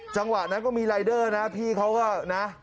จังหวะนั้นก็มีรายเดอร์นะพี่เขาก็นะ